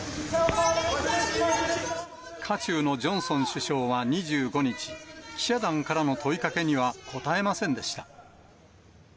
渦中のジョンソン首相は２５日、記者団からの問いかけには答えませんでした。